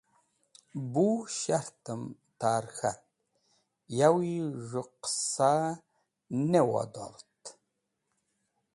Bu shartem ta’r k̃hat, tawi z̃hũ qisa ne wodort.